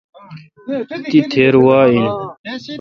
تی تھیر وا این۔